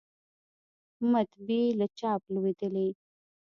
مطبعې له چاپ لویدلې